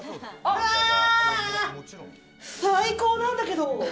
最高なんだけど。